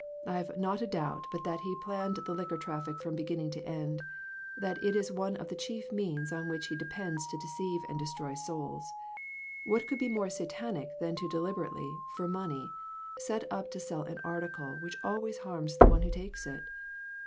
I have not a doubt but that he planned the liquor traffic from beginning to end ; that it is one of the chief means on which he depends to deceive and destroy souls. What could be more Satanic than to deliberately, for money, set up to sell an article which always harms the one who takes it